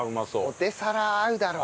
ポテサラ合うだろう。